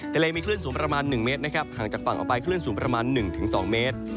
ทะเลมีคลื่นสูงประมาณ๑เมตรนะครับห่างจากฝั่งออกไปคลื่นสูงประมาณ๑๒เมตร